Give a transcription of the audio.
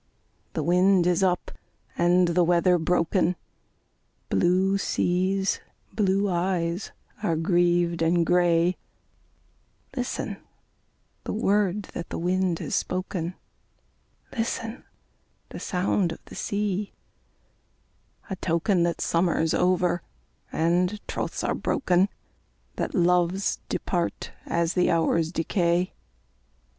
The wind is up, and the weather broken, Blue seas, blue eyes, are grieved and grey, Listen, the word that the wind has spoken, Listen, the sound of the sea,—a token That summer's over, and troths are broken,— That loves depart as the hours decay.